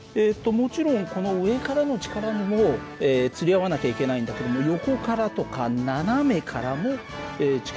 もちろんこの上からの力にもつり合わなきゃいけないんだけども横からとか斜めからも力がつり合わなきゃいけないね。